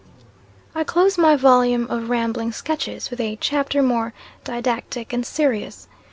I CLOSE my volume of rambling sketches, with a chapter more didactic and serious.